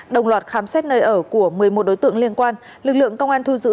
đồng loạt khám xét nơi ở của một mươi một đối tượng liên quan lực lượng công an thu giữ